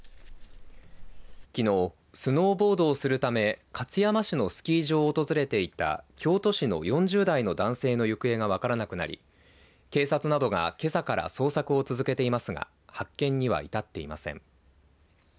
きのう、スノーボードをするため勝山市のスキー場を訪れていた京都市の４０代の男性の行方が分からなくなり警察などがけさから捜索を続けていますが発見には至っていません。